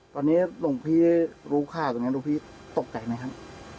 ตอนนี้หลวงพี่รู้ข่าวตรงนี้หลวงพี่ตกใจไหมครับ